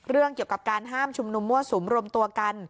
เรื่องเกี่ยวกับการห้ามชุมนุมมั่วสุมรวมตัวกัน